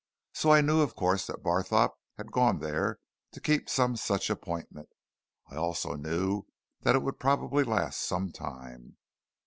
So I knew, of course, that Barthorpe had gone there to keep some such appointment. I also knew that it would probably last some time.